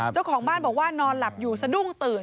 เจ้าของบ้านบอกว่านอนหลับอยู่สะดุ้งตื่น